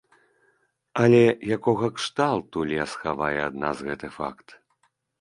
Але якога кшталту лес хавае ад нас гэты факт?